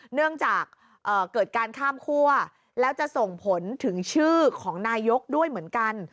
เนื่องจากเกิดการข้ามคั่วแล้วจะส่งผลถึงชื่อของนายกด้วยเหมือนกัน